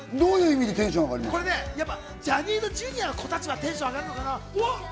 ジャニーズＪｒ．の子たちはテンション上がるのかな？